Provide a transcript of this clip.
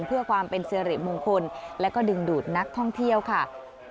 เพื่อความเป็นสิริมงคลและก็ดึงดูดนักท่องเที่ยวค่ะ